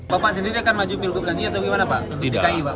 bapak sendiri akan maju pilpres lagi atau gimana pak